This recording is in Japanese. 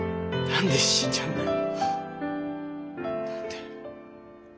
何で死んじゃうんだよ！